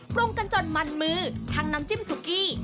ปรุงกันจนมันมือทั้งน้ำจิ้มสุกี้